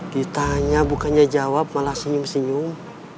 ditanya bukannya jawab malah senyum senyum